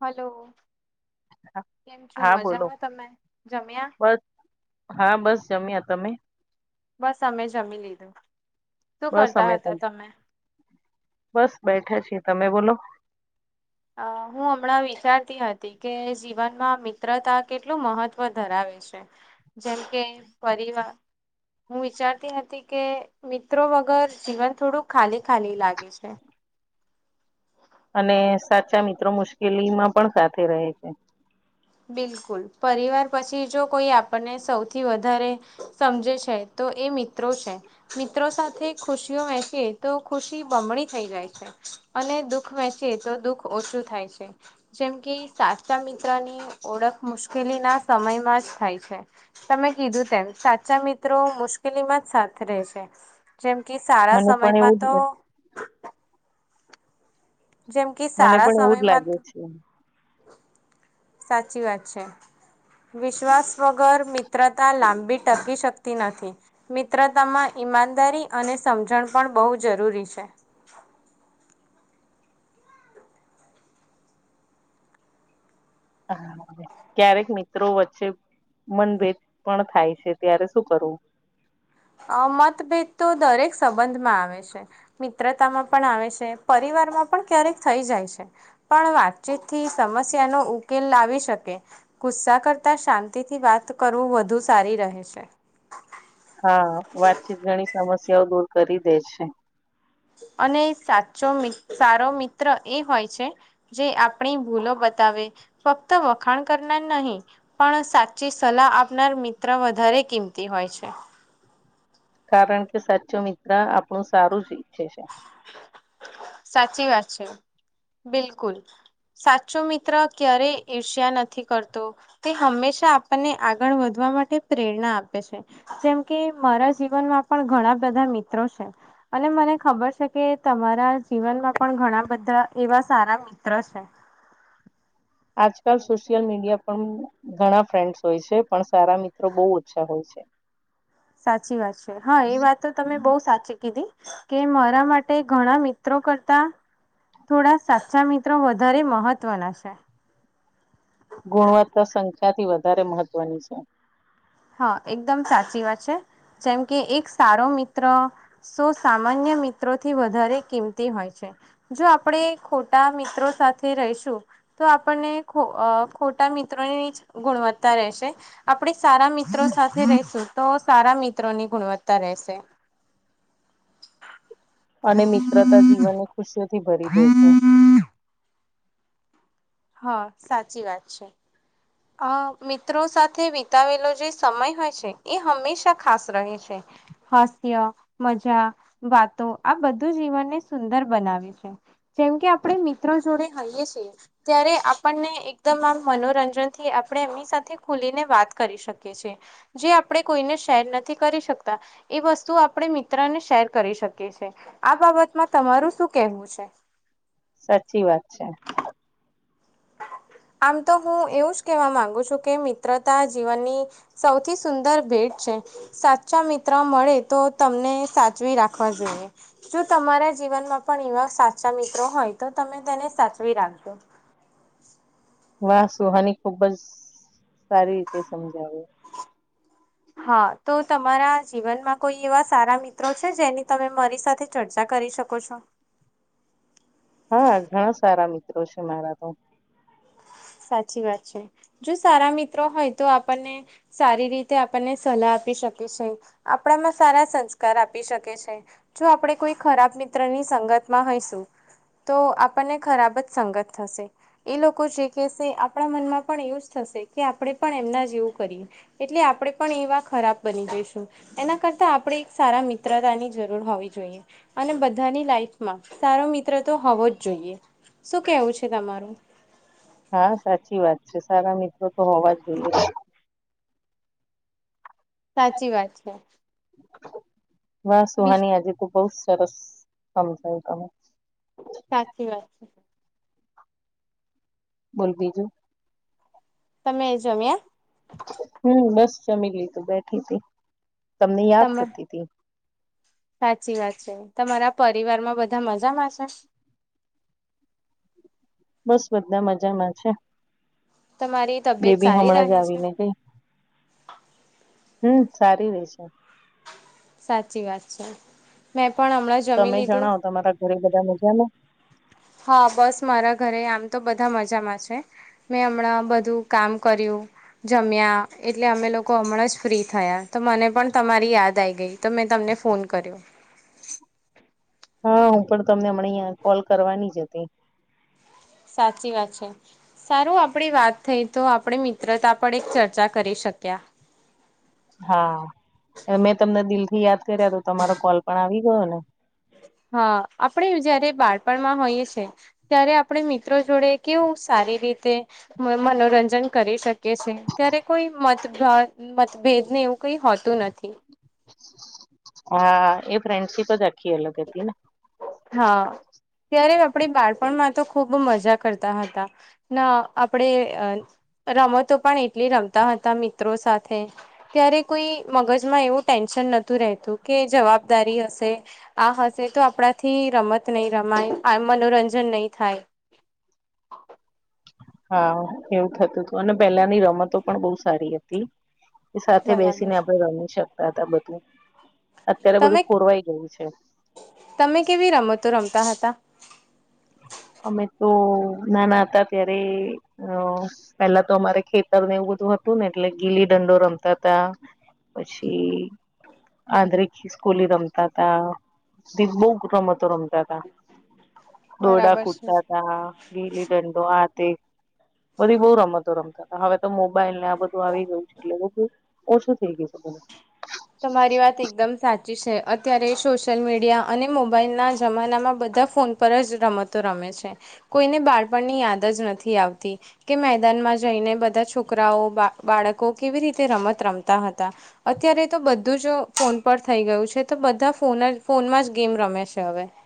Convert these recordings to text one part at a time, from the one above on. Hello. કેમ છો, હા બોલો મજામાં તમે જમ્યા? બસ હા, બસ જમ્યા. તમે? બસ અમે જમી લીધું. શું બસ કરતા અમે હતા પણ તમે? બસ બેઠે છીએ, તમે બોલો? અહ હું હમણાં વિચારતી હતી કે જીવનમાં મિત્રતા કેટલું મહત્વ ધરાવે કે છે જેમ કે પરિવાર હું વિચારતી હતી કે મિત્રો વગર જીવન થોડુંક ખાલી ખાલી લાગે છે. હું [inaudible] અને સાચા મિત્રો મુશ્કેલી માં પણ સાથે રહે છે. બિલકુલ પરિવાર પછી જો કોઈ આપણને સૌથી વધારે સમજે છે, તો એ મિત્રો છે, મિત્રો સાથે ખુશીઓ વહેસીએ તો ખુશી બમણી થઈ જાય છે. અને દુઃખ વેચીએ તો દુઃખ ઓછું થાય છે, જેમ કે સાચા મિત્રની ઓળખ મુશ્કેલીના સમયમાં જ થાય છે, તમે કીધું તેમ સાચા મિત્રો મુશ્કેલ. મુશ્કેલીમાં જ સાથે રહે છે, જેમ કે સારા મને પણ સમયમાં એવું તો જ જેમ કે મને સારા પણ એવું જ સમયમાં. લાગે છે સાચી વાત છે. વિશ્વાસ વગર મિત્રતા લાંબી ટકી શકતી નથી, મિત્રતામાં ઈમાનદારી અને સમજણ પણ બહુ જરૂરી છે. ક્યારેક મિત્રો વચ્ચે મનભેદ પણ થાય છે, ત્યારે શું કરવું? અ મતભેદ તો દરેક સંબંધમાં આવે છે, મિત્રતામાં પણ આવે છે પર ર પણ ક્યારેક થઈ જાય છે, પણ વાતચીત થી સમસ્યા નો ઉકેલ લાવી શકે. ગુસ્સા કરતા શાંતિથી વાત કરવું વધુ સારી રહે છે. હા વાતચીત ઘણી સમસ્યાઓ દૂર કરી દે છે. અને સાચો સારો મિત્ર એ હોય છે જે આપણી ભૂલો બતાવે ફક્ત વખાણ કર નહીં પણ સાચી સલાહ આપનાર મિત્ર વધારે કિંમતી હોય છે. [inaudible] કારણ કે સાચો મિત્ર આપણું સારું જ ઈચ્છે છે. સાચી વાત છે. બિલકુલ સાચો મિત્ર ક્યારેય ઈર્ષ્યા નથી કરતો તે હંમેશા આપણને આગળ વધવા માં માટે પ્રેરણા આપે છે. જેમ કે મારા જીવનમાં પણ ઘણા બધા મિત્રો છે. અને મને ખબર છે કે તમારાજ જીવનમાં પણ ઘણા બધા એવા સારા મિત્ર છે. આજકાલ સોશલ મીડીિયા પણ ઘણા ફ્રેન્ડ્સ હોય છે, પણ સારા મિત્રો બહુ ઓછા હોય છે. સાચી વાત છે હા એ વાત તો તમે બહુ સાચી કીધી. કે મારા માટે ઘણા મિત્રો કરતા. થોડા સાચા મિત્રો વધારે મહત્વના છે. ગુણવત્તા સંખ્યા થી વધારે મહત્વની છે. હા એકદમ સાચી વાત છે. જેમ કે એક સારો મિત્ર સો સામાન્ય મિત્રોથી વધારે કિંમતી હોય છે. જો આપણે ખોટા મિત્રો સાથે રહીશું તો આપણને ખોટા મિત્રોની ગુણવત્તા રહેશે આપણે સારા મ્ર મિત્રો સાથે રશું તો સારા મિત્રો ની ગુણવત્તા રહેશે. [inaudible] અને મિત્રતા જીવનને ખુશીથી ભરી દે છે. હા સાચી વાત છે. અ મિત્રો સાથે વિતાવેલો જે સમય હોય છે એ હંમેશા ખાસ રહે છે. હાસ્ય મજા વાતો આ બધું જીવનને સુંદર બનાવે છે. જેમ કે આપણે મિત્રો જોડે હઈએ છીએ ત્યારે આપણને એકદમ આમ મનોરંજન આપણે એમની સાથે ખુલીને વાત કરી શકીએ છીએ જે આપણે કોઈને શેર નથી કરી શકતા. એ વસ્તુ આપણે મિત્ર ને શેર કરી શકીએ છેએ આ બાબતમાં તમારું શું કેહેવું છે. [inaudible] સાચી વાત છે. હ આમ તો હું એવું જ કેહેવા માંગુ છું કે મિત્રતા જીવનની સૌથી સુંદર ભેટ સાચા મિત્ર મળે તો તમને સાચવી રાખવા જોઈએ જો તમારા જીવનમાં પણ એવા સાચા મિત્રો હોય તો તમે તેને સાચવી રાખજો. વા સુહાની ખુબજ સારી રીતે સમજાવી. હા તો તમારા જીવનમાં કોઈ એવા સારા મિત્રો છે, જેની તમે મારી સાથે ચર્ચા કરી શકો છો. હા ઘણા સારા મિત્રો છે મારા તો સાચી વાત છે. જો સારા મિત્રો હોય તો, આપણને સારી રીતે આપણને સલાહ આપી શકે છે. આપણામાં સારા સંસ્કાર આપી શકે છે. જો આપણે કોઈ ખરાબ મિત્રની સંગતમાં હોઈશુ તો આપણને ખરાબ જ સંગત થશે. એ લોકો જે કેશે આપણા મનમાં પણ એવું જ થશે કે, આપણે પણ એમના જેવું કરીએ એટલે આપણે પણ એ વા ખરાબ બની જઈશું એના કરતા આપણે એક સારા મિત્રતાની જરૂર હોવી જોઈએ અને બધા લઈફમાં સારો મિત્ર તો હોવો જ જોઈએ. શું કેવું છે તમારું? હા સાચી વાત છે. સારા મિત્રો તો હોવા જોઈએ. સાચી [unintelligible] વાત છે હા બી સુહાની આજે ખુબ બહુ રારસ સમજાવ્યુ તમે. સાચી વાત છે બોલ બીજું.? તમે જમ્યા? હમ બસ જમી લીધુ બેઠી હતી. તમને યાદ તમે કરતી તી. સાચી વાત છે. તમારા પરિવાર માં બધા મજામાં છે? [inaudible] બસ બધા મજામાં છે. તમારી તબિયત બેબી સારી રહે હમણાં જ છે આવીને ગઈ. હમ સારી રે છે. સાચી વાત છે. મે તમે જણાવ તમારા ઘરે બધા મજા ને? હા બસ મારા ઘરે આમ તો બધા મજામાં છે. મેં હમણાં બધું કામ કર્યું. જમ્યા એટલે અમે લોકો હમણાં જ ફ્રી થયા, તો મને પણ તમારી યાદ આઈ ગઈ. મેં તમને ફોન કર્યો. હા, હું પણ તમને હમણાં અહંયા કોલ કરવાની જ હતી. સાચી વાત છે. સારું આપડી વાત થઈ તો આપણે મિત્રતા પર એક ચર્ચા કરી શક [unintelligible] હા એ મેં તમને દિલ થી યાદ કર્યા તો તમારો કોલ પણ આવી ગયો ને. હા આપણે જયારે બાળપણમાં હોઈએ છે. ત્યારે આપણે મિત્રો જોડે કેવું સા સારી રીતે મન મનોરંજન કરી શકે. કે છે ત્યારે કોઈ મતભ્રાત મતભેદને એવું કઈ હોતું નથી. હા એ ફ્રેન્ડશિપ જ આખી અલગ હતી ને. હા. ત્યારે આપણે બાળપણમાં તો ખૂબ મજા કરતા હતા, ના આપણે રમતો પણ એટલી રમતા હતા મિત્રો સાથે ત્યારે કોઈ મગજમાં એવું ટેન્શન નતું રહેતું કે જવાબદારી હશે આ હશે તો આપણા થી રમત નહી રમાય આ મનોરંજન નહી થાય. હા એવું થતું હતું અને પહેલાની રમતો પણ બહુ સારી હતી. એ સાથે બેસીને બરાબર આપણે રમી શકતા હતા બધું. અત્યારે તમે બધું પુરવાઈ ગયું છે. તમે હ. અમે તો નાના હતા ત્યારે અઅ પેલા તો અમારે ખેતર ને એવું બધું હતું ને એટલે ગીલી દંડો રમતા હતા. પછી આંધળી ખીસકોલી રમતા હતા દી [inaudible] બહ રમતો રમતા [inaudible] દોરડા બરાબર છે. કુટતા હતા, ગેલી દંડો આ તે બધી બઉુ રમતો રમતા હતા હવે તો, મોબાઈલ ને આ બધું આવી ગયું છે, એટલે બ ઓછું થઈ ગયું. હ. તમારી વાત એકદમ સાચી છે. અત્યારે સોશિયલ મીડિયા અને મોબાઈલ ના જમાનામાં બધા બધા ફોન પર જ રમતો રમે છે. કોઈને બાળપણની યાદ જ નથી આવતી કે મેદાન સ્કૂલમાં જઈને બધા છોકરાઓ, બાળકો કેવી રીતે રમત રમતા હતા. અત્યારે તો બધું જો ફોન પર થઈ ગયું છે. તો બધા ફોન જ, ફોનમાં જ ગેમ રમે છે હવે. [inaudible]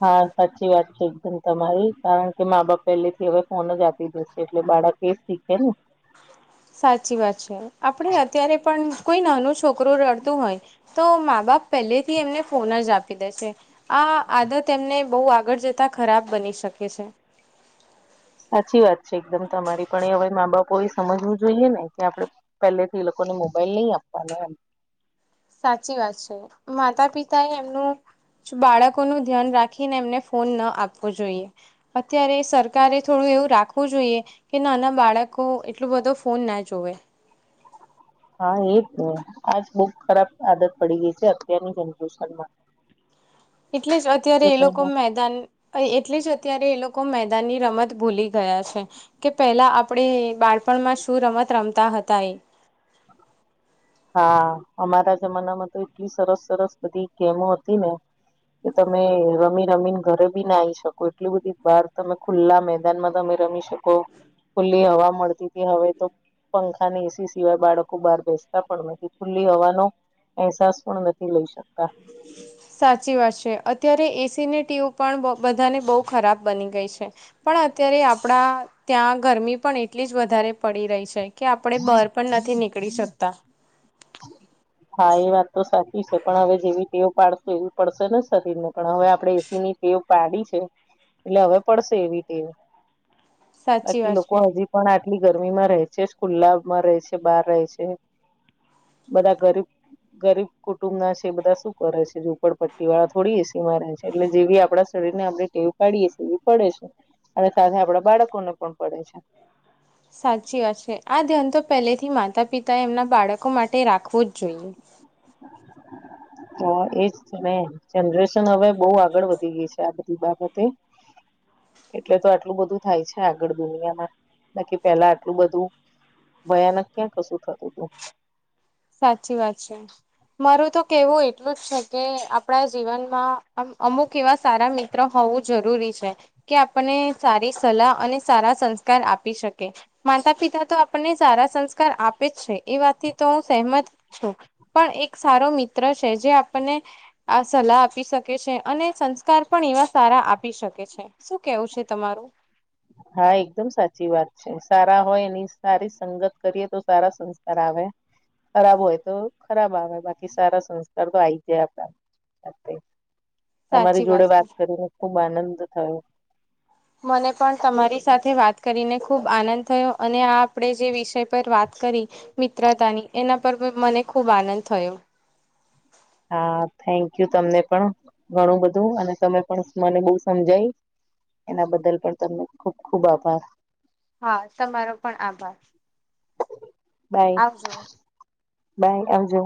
હા, સાચી વાત છે એકદમ તમારી, કારણ કે મા-બાપ પેલે થી હવે ફોન જ આપી દે છે એટલે બાળ ખાડા ટેસથી એમને? સાચી વાત છે. આપણેે અત્યારે પણ કોઈ નાનું છોકરું રડતું હોય તો મા બાપ પહેલેથી એમને ફોન જ આપી દે છે આ આ આદત એમને બહુ આગળ જતા ખરાબ બની શકે છે. સાચી વાત છે એકદમ તમારી. પણ એ હવે મા બાપો એ સમજવું જોઈએ ને, કે આપડે પહેલેથી એ લોકો ને મોબાઈલ નહી આપવાનો એમ. સાચી વાત છે, માતાપિતા એ એમનું બાળકોનું ધ્યાન રાખીને એમને ફોન ન આપવો જોઈએ. અત્યારે સરકારે થોડું એવું રાખવું જોઈએ કે નાના બાળકો એટલો બધો ફોન ના જોવે. હા એજ ને આ જ બહ ખરાબ આદત પડી ગઈ છે અત્યારની જનરેશનમાં. એટલે જ અત્યારે જે એ લોકો કોઈને મેદાન એટલે જ અત્યારે એ લોકો મેદાનની રમત ભૂલી ગયા છે, કે પેલા આપણે બાળપણમાં શું રમત રમતા છતાય હા અમારા જમાનામાં તો એટલી સરસ સરસ બધી ગેમો હતી ને, કે તમે રમી રમીને ઘરે બી ના આયી શકો એટલી બધી વાર તમે ખુલ્લા મેદાન માં તમે રમી શકો. ખુલ્લી હવા મળતી હતી હવે તો પંખા ની એસી સિવાય બાળકો બહાર બેસ પણ નથી ખુલ્લી હવાનો અહેસાસ પણ નથી લઈ શકતા. સાચી વાત છે અત્યારે એસી ની ટેવુ પણ બધાને બહુ ખરાબ બની ગઈ છે. પણ પણ અત્યારે આપણા ત્યાં ગરમી પણ, એટલી જ વધારે પડી રહી છે. કે આપણે બાર પણ નથી નીકળી શકતા. હા, એ વાત તો સાચી છે. પણ હવે જેવી ટેવ પાડશો એવી પડશે ને શરીરને પણ હવે આપણે એસી ની ટેવ પાડી છે, એટલે હવે પડસે એવી ટેવ સાચી બાકી વાત લોકો છે હજી પણ આજ આટલી ગરમી માં રહે છે જ, ખુલ્લામાં રહે છે, બાર રહે છે. બધા ગરીબ ગરીબ કુટુંબના છે એ બધા સુ કરે છે? ઝુપડ પટ્ટી વાળા થોડી એસીમાં રહે છે એટલે જેવી આપડા આપણે ટેવ પાડીએ છે એવી પડે છે અને સાથે આપડા બાળકોને પણ પડે છે. સાચી વાત છે. આ ધ્યાન તો પહેલેથી માતા પિતાએ એમના બાળકો માટે રાખવું જ જોઈએ. [inaudible] તો એજ ને! જનરેશન હવે બહુ આગળ વધી ગઈ છે આ બધી બાબતે. હ એટલે તો આટલું બધું થાય છે આગળ દુનિયામાં. બાકી પેલા આટલું બધું ભયાનક ક્યાં કસુ થતું તું? સાચી વાત છે. મારું તો કહેવું એટલું જ છે કે, આપણા જીવનમાં અમુક એવા સારા મિત્ર હોવ વુ જરૂરી છે કે આપને સારી સલાહ અને સારા સંસ્કાર આપી શકે, માત્ર માતા પિતા તો આપણને સારા સંસ્કાર આપે જ છે એ વાત થી તો હ સહમત છું, પણ એક સારો મિત્ર છે જે આપણને આ સલાહ આપી સકે છે. અને સંસ્કાર પણ એવા સારા આપી શકે છે, શું કેવું છે તમારું? હા, એકદમ સાચી વાત છે. સારા હોય એની સારી સંગત કરીએ તો સારા સંસ્કાર આવે. ખરાબ હોય તો ખરાબ આવે બાકી સારા સંસ્કાર તો આઈ જ જાય આપડામાં. [unintelligible] સાચી તમારી જોડે છે. વાત કરીને ખુબ આનંદ થયો. મને પણ તમારી સાથે વાત કરીને ખુબ આનંદ થયો અને આ આપણેે જે વિષય પર વાત કરી મિત્રતાની, એના પર બી મને ખૂબ આનંદ થયો. હા, થેન્ક યુ તમને પણ. ઘણું બધું અને તમે પણ મને બહુ સમજાઈ. એના બદલ પણ તમને ખુબ ખુબ આભાર. હા તમારો પણ આભાર. આવજો. ભાઈ આવજો